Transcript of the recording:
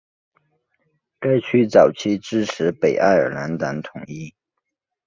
该区早期支持北爱尔兰统一党。